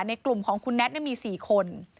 ในกลุ่มของคุณแน็ตมี๔คน